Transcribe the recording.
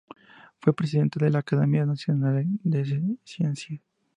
Fue presidente de la Accademia nazionale delle scienze.